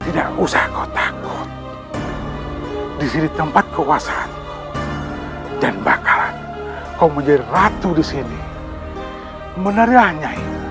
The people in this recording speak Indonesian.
tidak usah kau takut di sini tempat keuasaan dan bakalan kau menjadi ratu di sini menerahnya